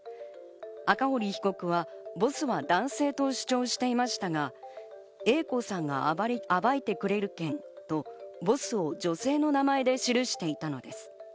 赤堀被告はボスは男性と主張していましたが、Ａ子さんが暴いてくれるけんと、ボスを女性の名前で記していたのです。